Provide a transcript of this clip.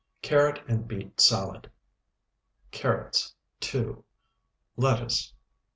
CARROT AND BEET SALAD Carrots, 2. Lettuce.